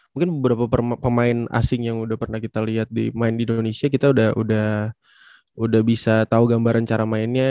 mungkin beberapa pemain asing yang udah pernah kita lihat main di indonesia kita udah bisa tahu gambaran cara mainnya